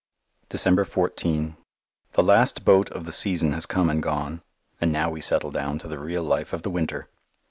December 14 The last boat of the season has come and gone and now we settle down to the real life of the winter.